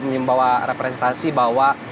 membawa representasi bahwa